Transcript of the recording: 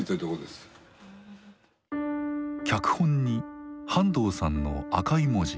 脚本に半藤さんの赤い文字。